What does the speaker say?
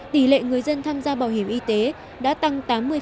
tỷ lệ người dân tham gia bảo hiểm y tế đã tăng tám mươi